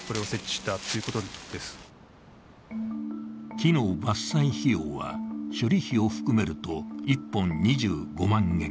木の伐採費用は、処理費を含めると１本２５万円。